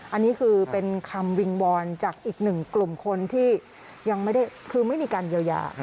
อันนี้คือเป็นคำวิงวอนจากอีกหนึ่งกลุ่มคนที่ยังไม่ได้คือไม่มีการเยียวยา